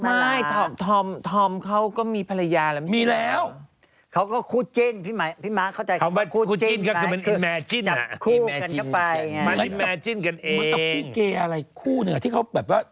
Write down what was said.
มันต้องเปลี่ยนเกย์อะไรคู่เหรอที่เขาแบบว่า